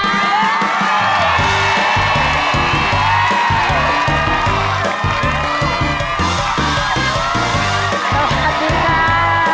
สวัสดีค่ะ